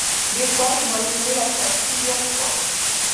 Des fois je dois tirer la chasse plusieurs fois.